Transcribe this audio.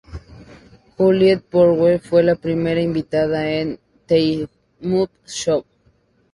Juliet Prowse fue la primera invitada en "The Muppet Show".